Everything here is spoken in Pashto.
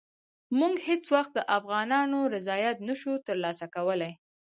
موږ هېڅ وخت د افغانانو رضایت نه شو ترلاسه کولای.